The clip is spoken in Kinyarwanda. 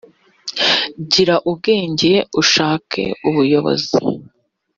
gira ubwenge ushake ubuyobozi